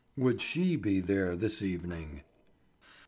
Would she be there this evening?